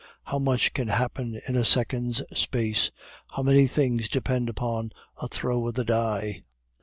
How much can happen in a second's space; how many things depend on a throw of the die!